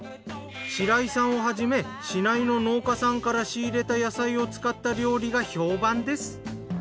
白井さんをはじめ市内の農家さんから仕入れた野菜を使った料理が評判です。